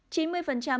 chín mươi người tham gia